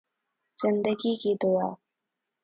زندگی کی دعا